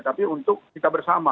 tapi untuk kita bersama